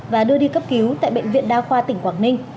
và đưa đi cấp cứu tại bệnh viện đa khoa tỉnh quảng ninh